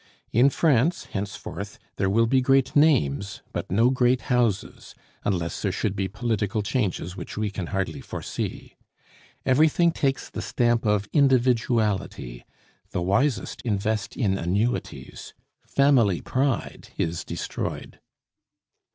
In France, henceforth, there will be great names, but no great houses, unless there should be political changes which we can hardly foresee. Everything takes the stamp of individuality. The wisest invest in annuities. Family pride is destroyed.